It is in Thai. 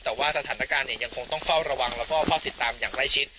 แต่ว่าสถานการณ์ยังคงต้องเฝ้าระวังแล้วก็เฝ้าติดตามอย่างใกล้ชิด